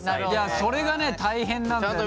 それがね大変なんだよ。